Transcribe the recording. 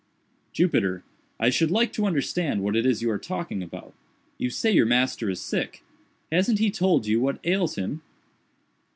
"Jupiter, I should like to understand what it is you are talking about. You say your master is sick. Hasn't he told you what ails him?"